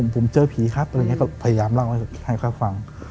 ผมเจอผีครับพยายามล่างให้ท่านฟัง